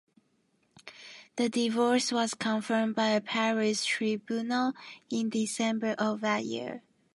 The divorce was confirmed by a Paris tribunal in December of that year.